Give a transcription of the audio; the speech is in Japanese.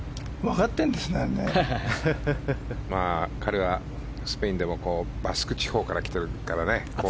彼はスペインでもバスク地方から来ていますからね。